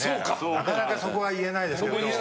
なかなかそこは言えないですけど。